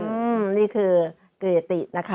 อืมนี่คือเกรตินะคะ